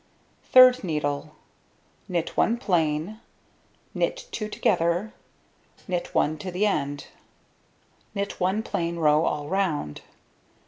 Third needle: knit 1 plain, knit 2 together, knit 1 to the end, knit 1 plain row all round.